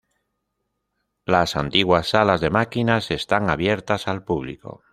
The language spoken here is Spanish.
Las antiguas salas de máquinas están abiertas al público.